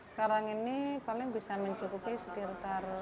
sekarang ini paling bisa mencukupi sekitar